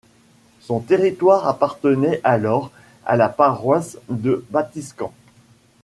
Son territoire appartenait alors à la paroisse de Batiscan.